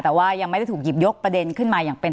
แต่ว่ายังไม่ได้ถูกหยิบยกประเด็นขึ้นมาอย่างเป็น